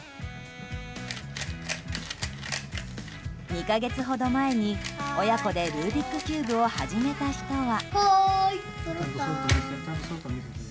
２か月ほど前に親子でルービックキューブを始めた人は。